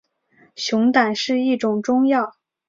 熊胆是一种中药。